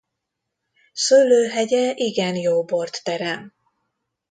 Szőlőhegye igen jó bort terem.